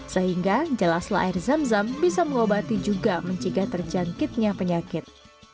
sehingga jelaslah air zam zam bisa mengobati juga mencegah terjangkitnya penyakit